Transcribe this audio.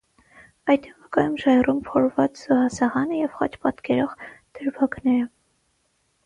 Այդ են վկայում ժայռում փորված զոհասեղանը և խաչ պատկերող դրվագները։